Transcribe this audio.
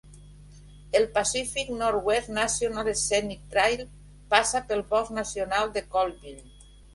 El Pacific Northwest National Scenic Trail passa pel bosc nacional de Colville.